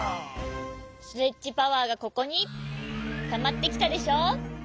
ストレッチパワーがここにたまってきたでしょう？